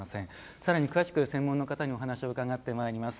さらに詳しく専門の方にお話を伺ってまいります。